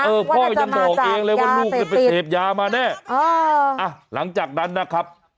พ่อยังบอกเองเลยว่าลูกเนี่ยไปเสพยามาแน่อ่าอ่ะหลังจากนั้นนะครับ